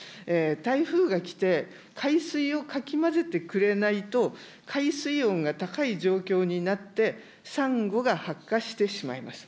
台風が来て、海水をかき混ぜてくれないと、海水温が高い状況になって、サンゴが白化してしまいます。